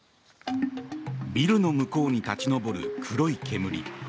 ビルの向こうに立ち上る黒い煙。